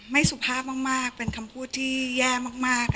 สุภาพมากเป็นคำพูดที่แย่มาก